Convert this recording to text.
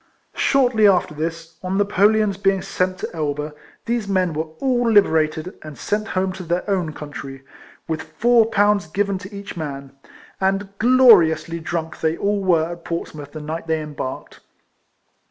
Shortly after this, on Napoleon's being sent to Elba, these men were all liberated and sent home to their own country, with four pounds given to each man; and glori ously drunk they all were at Portsmouth the night they embarked.